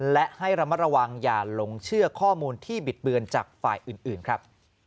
และให้ระมัดระวังอย่าหลงเชื่อข้อมูลที่บิดเบือนจากฝ่ายอื่นครับ